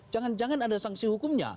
jangan jangan ada sanksi hukumnya